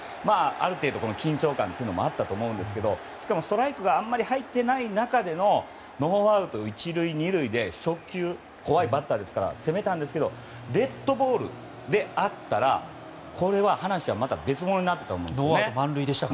ある程度、緊張感もあったと思いますがしかもストライクがあまり入っていない中でのノーアウト１塁２塁で初球、怖いバッターですから攻めたんですがデッドボールだったらこれは話は、また別物になっていたと思います。